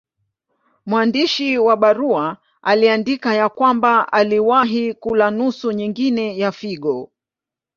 Mwandishi wa barua aliandika ya kwamba aliwahi kula nusu nyingine ya figo.